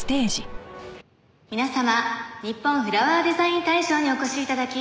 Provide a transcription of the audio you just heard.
皆様ニッポンフラワーデザイン大賞にお越し頂き